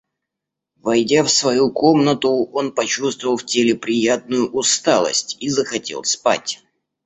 Войдя в свою комнату, он почувствовал в теле приятную усталость и захотел спать.